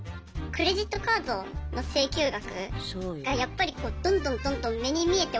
クレジットカードの請求額がやっぱりどんどんどんどん目に見えて大きくなってく。